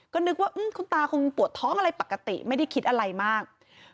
ก็นึกว่าคุณตาคงปวดท้องอะไรปกติไม่ได้คิดอะไรมาก